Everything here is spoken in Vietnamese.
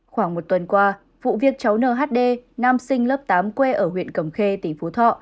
khoảng một tuần qua vụ việc cháu nhd nam sinh lớp tám quê ở huyện cầm khê tỉnh phú thọ